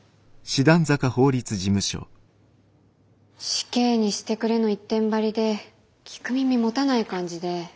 死刑にしてくれの一点張りで聞く耳持たない感じで。